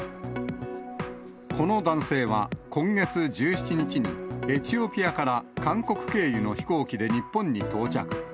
この男性は、今月１７日に、エチオピアから韓国経由の飛行機で日本に到着。